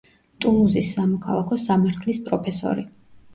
ტულუზის სამოქალაქო სამართლის პროფესორი.